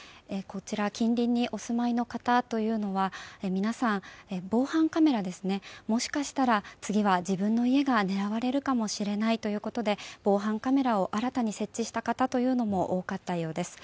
近隣にお住まいの方というのは皆さんもしかしたら次は自分の家が狙われるかもしれないと防犯カメラを新たに設置した方というのも多かったようです。